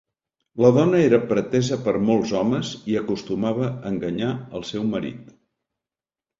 La dona era pretesa per molts homes i acostumava a enganyar al seu marit.